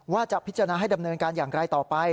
ว่าจะพิจารณาให้ดำเนินการอย่างไรต่อไป